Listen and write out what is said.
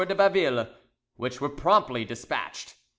de Baville, which were promptly despatched.